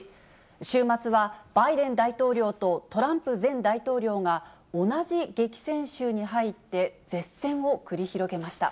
週末はバイデン大統領とトランプ前大統領が、同じ激戦州に入って、舌戦を繰り広げました。